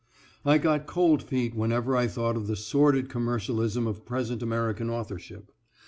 I got cold feet whenever I thought of the sordid commercialism of present American authorship.